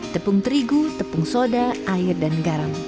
tepung terigu tepung soda air dan garam